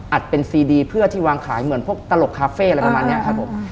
เป็นซีดีเพื่อที่วางขายเหมือนพวกตลกคาเฟ่อะไรประมาณนี้ครับผม